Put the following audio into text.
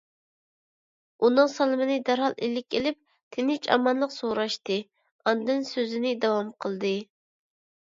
ئۇنىڭ سالىمىنى دەرھال ئىلىك ئېلىپ، تىنچ - ئامانلىق سوراشتى، ئاندىن سۆزىنى داۋام قىلدى: